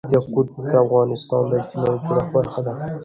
یاقوت د افغانستان د اجتماعي جوړښت برخه ده.